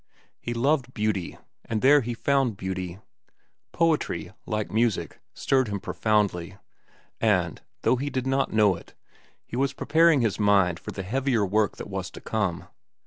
He loved beauty, and there he found beauty. Poetry, like music, stirred him profoundly, and, though he did not know it, he was preparing his mind for the heavier work that was to come.